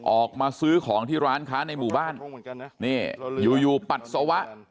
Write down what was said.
ออกมาซื้อของที่ร้านค้าในหมู่บ้านนี่อยู่อยู่ปัสสาวะ